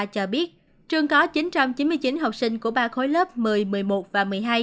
cho biết trường có chín trăm chín mươi chín học sinh của ba khối lớp một mươi một mươi một và một mươi hai